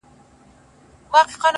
ستا مين درياب سره ياري کوي!!